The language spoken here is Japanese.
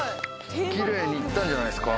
奇麗に行ったんじゃないですか？